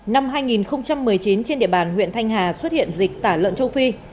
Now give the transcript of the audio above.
năm hai nghìn một mươi chín trên địa bàn huyện thanh hà xuất hiện dịch tả lợn châu phi